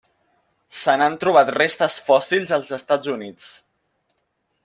Se n'han trobat restes fòssils als Estats Units.